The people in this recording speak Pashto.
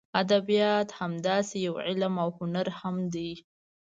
ادبیات همداسې یو علم او هنر هم دی.